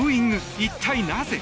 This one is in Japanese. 一体なぜ？